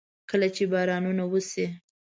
کله چې بارانونه وشي.